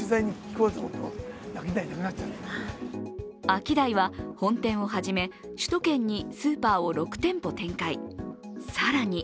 アキダイは、本店をはじめ首都圏にスーパーを６店舗展開。